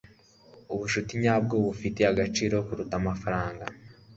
ubucuti nyabwo bufite agaciro kuruta amafaranga